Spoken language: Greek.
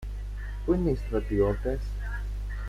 Πού είναι οι στρατιώτες;